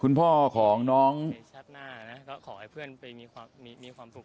คุณพ่อของน้องจีบอกว่าที่บอกว่าพ่อของอีกคิวมาร่วมแสดงความอารัยในงานสวดศพของน้องจีด้วยคุณพ่อก็ไม่ทันเห็นนะครับ